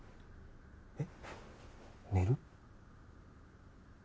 えっ寝る？